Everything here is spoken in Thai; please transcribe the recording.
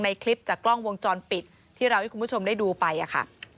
คลิปจากกล้องวงจรปิดที่เราให้คุณผู้ชมได้ดูไปค่ะ